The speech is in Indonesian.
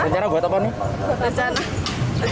rencana buat apa ini